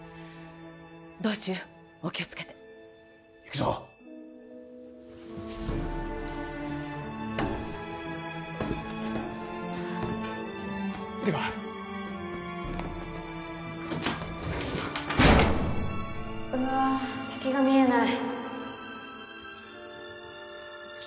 道中お気をつけて行くぞではうわ先が見えない